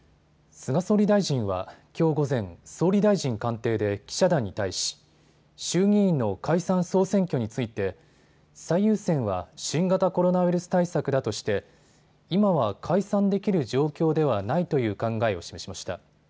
菅総理大臣は、きょう午前総理大臣官邸で記者団に対し衆議院の解散・総選挙について最優先は新型コロナウイルス対策だとして今は解散できる状況ではないという考えを示しました。